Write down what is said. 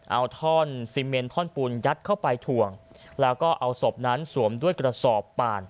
เอาท่อนซีเมนท่อนปูนยัดเข้าไปถ่วงแล้วก็เอาศพนั้นสวมด้วยกระสอบป่าน